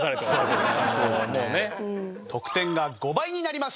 得点が５倍になります！